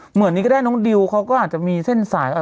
เหมือนนี้ก็ได้น้องดิวเขาก็อาจจะมีเส้นสาย